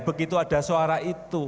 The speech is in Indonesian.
begitu ada suara itu